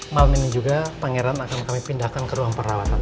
malam ini juga pangeran akan kami pindahkan ke ruang perawatan